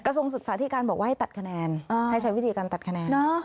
ทรงศึกษาที่การบอกว่าให้ตัดคะแนนให้ใช้วิธีการตัดคะแนน